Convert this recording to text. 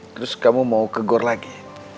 terus kamu mau ke gor lagi